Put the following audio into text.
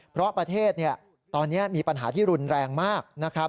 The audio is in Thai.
เพราะประเทศตอนนี้มีปัญหาที่รุนแรงมากนะครับ